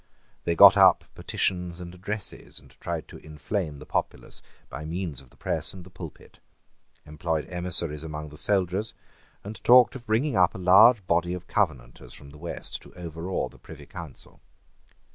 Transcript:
They got up petitions and addresses, tried to inflame the populace by means of the press and the pulpit, employed emissaries among the soldiers, and talked of bringing up a large body of Covenanters from the west to overawe the Privy Council.